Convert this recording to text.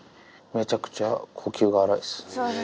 めちゃくちゃ呼吸が荒いです。